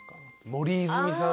森泉さん。